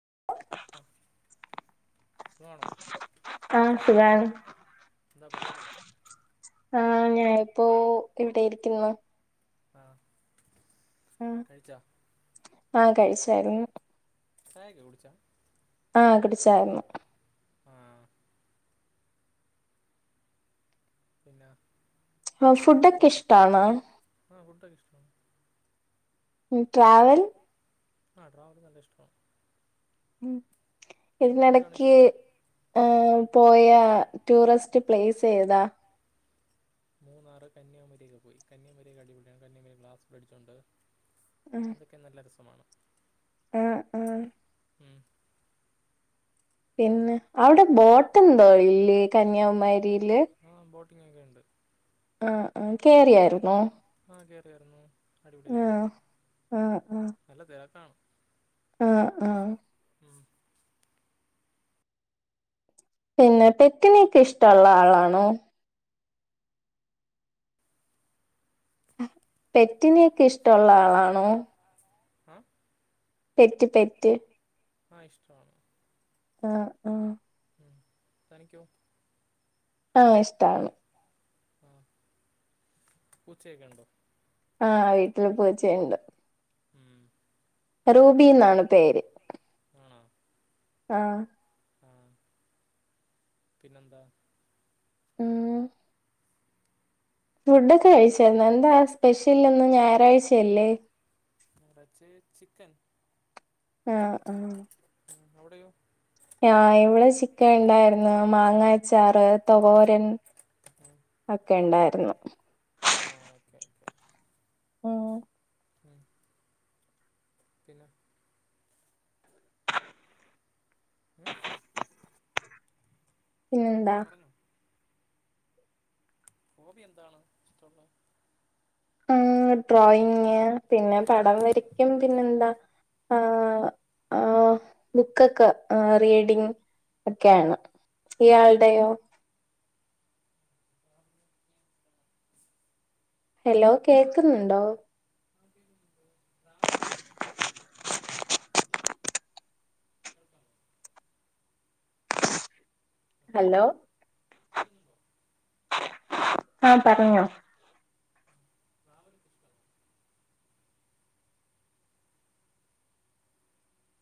[unintelligible] സുഖമാണോ [unintelligible] എന്താ പരിപാടി ആ ഞാനിപ്പോൊ ഇവിടെ ഇരിക്കുന്നു ആഹ് ആ ആഹ കഴിച്ചായിരുന്നു [inaudible] ആഹ കഴിച്ചായിരുന്നു ആ ആഹ് ഫുഡൊക്കെ ഇഷ്ടാണോ [inaudible] ഉം ട്രാവൽ [unintelligible] എന്ത് ഫുഡാണ് ഇതിനിടക്ക് ഇഷ്ടം ആ പോയ ടൂറിസ്റ്റ് പ്ലേസ് ചെയ്താ [unintelligible] അതൊക്കെ നല്ല രസമാണ് ആഹ ആഹ ഉം. പിന്നെ അവിടെ ബോട്ട് എന്തോ ഇല്ലേ കന്യാകുമാരിയില് ഉം ഉണ്ട് ആഹ ആഹ കേറിയയിരുന്നോ [inaudible] ആഹ ആഹ ഉം. പിന്നെ പെക്കിനേക്ക് ഇഷ്ടമുള്ള ആളാണോ പെറ്റിനൊക്കെ ഇഷ്ടമുള്ള ആളാണോ [inaudible] പെറ്റ് പെറ്റ് ആഹ ഇഷ്ടമാണ് ആഹ ആഹ താങ്ക്യൂ ആഹ ഇഷ്ടാണ് ആ ഉച്ചയക്കെണ്ടോ ആഹ വീട്ടില് പൂച്ചേയുണ്ട് ഉം റൂബി എന്നാണ് പേര് ആഹ ആഹ പിന്നന്താ ഉം ഫുഡൊക്കെ ഉം കഴിച്ചരുന്നു എന്താ സ്പെഷ്യൽ ഇന്ന് ഞായറാഴ്ചയല്ലേ നെറച്ച് ചിക്കൻ ആഹ് ആഹ് ഉം അവിടെയോ ആഹ് ഇവടെ ചിക്കൻ ഇണ്ടാരുന്നു മാങ്ങാ അച്ചാർ തോരൻ ഒക്കെ ഇണ്ടാരുന്നു ആഹ് ഓക്കെ ഓക്കെ ഉം ഉം പിന്നെ ഉം പിന്നെന്താ പറഞ്ഞോ ഹോബി എന്താണ് ഇഷ്ടവുള്ളെ ഏഹ് ഡ്രോയിങ്ങ് പിന്നെ പടം വരക്കും പിന്നെന്താ ആഹ് ആഹ് ബുക്കൊക്കാ ആഹ് റീഡിങ്ങ് ഒക്കെയാണ് ഇയാള്ടെയോ? ഉം ട്രാവലൊക്കെ ഇഷ്ടാണോ ഹലോ കേക്ക്ന്ന്ണ്ടോ? കേൾക്കാമോ ഹലോ കേൾക്കുന്നുണ്ടോ ആഹ് പറ്ഞ്ഞോ ട്രാവലൊക്കെ ഇഷ്ടാണോ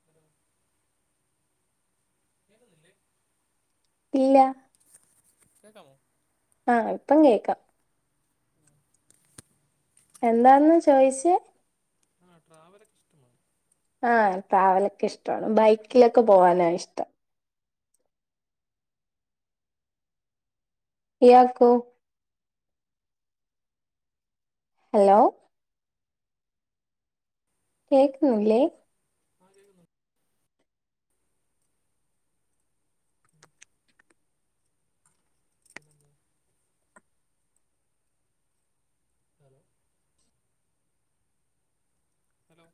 ഹലോ കേക്ക്ന്നില്ലേ? ഇല്ലാ കേക്കാമോ? ആഹ് ഇപ്പം കേക്കാ എന്താന്ന് ചോയിച്ചേ? ആ ട്രാവലൊക്കെ ഇഷ്ടമാണോ? ആഹ് ട്രാവലൊക്കെ ഇഷ്ടാണ് ബൈക്കിലൊക്കെ പോവാനാ ഇഷ്ടം. ഇയാക്കോ? ഹലോ കേക്കുന്നില്ലേ? ആ കേക്കുന്നൊണ്ട്. പിന്നെന്താ ഹലോ ഹലോ